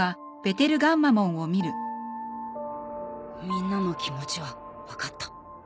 みんなの気持ちは分かった。